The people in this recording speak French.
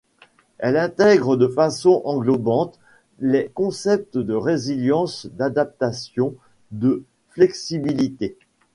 Elle intègre de façon englobante les concepts de résilience, d'adaptation, de flexibilité.